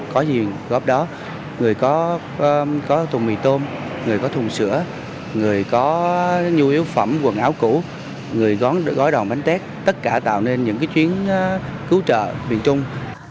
có nhiều góp đó người có thùng mì tôm người có thùng sữa người có nhu yếu phẩm quần áo cũ người gói đòn bánh tét tất cả tạo nên những chuyến cứu trợ miền trung